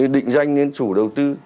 định danh đến chủ đầu tư